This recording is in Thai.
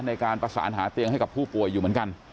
ในการประสานหาเตียงให้กับผู้ป่วยอยู่เหมือนกัน